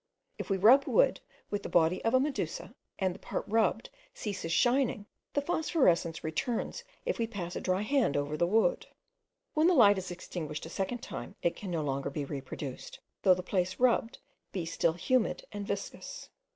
If we rub wood with the body of a medusa, and the part rubbed ceases shining, the phosphorescence returns if we pass a dry hand over the wood. When the light is extinguished a second time, it can no longer be reproduced, though the place rubbed be still humid and viscous.